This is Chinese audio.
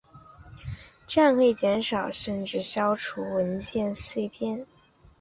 这样可以减少甚至消除文件碎片。